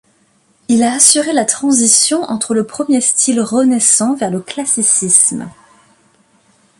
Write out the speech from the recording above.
Il a assuré la transition entre le premier style renaissant vers le Classicisme.